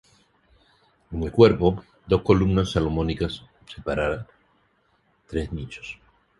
En el cuerpo, dos columnas salomónicas separan tres nichos.